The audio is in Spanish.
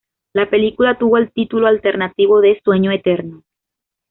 La película tuvo el título alternativo de "Sueño eterno".